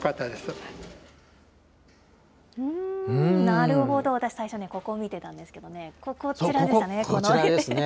なるほど、私ね、最初、ここを見てたんですけどね、こちらでしたね。